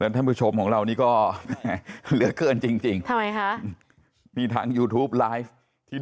สาวบ้านเป็นอย่างไรบ้างวันนี้